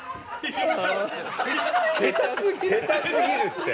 下手すぎるって！